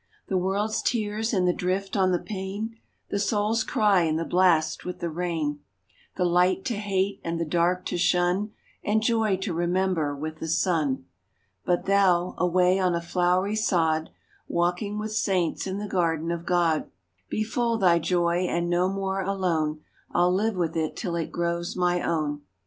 The world's tears in the drift on the pane, The light to hate and the dark to shun, And joy to remember with the sun. But thou, — away on a flowery sod Walking with saints in the garden of God Be full thy joy, and no more alone, I'll live with it till it grows my own.